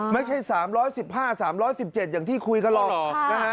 ไม่ใช่๓๑๕๓๑๗อย่างที่คุยกะหรอก